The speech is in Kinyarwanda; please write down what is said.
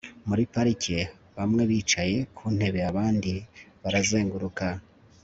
muri parike, bamwe bicaye ku ntebe, abandi barazenguruka